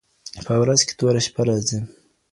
په ورځ كي توره شپـه راځي